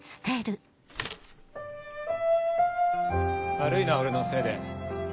悪いな俺のせいで。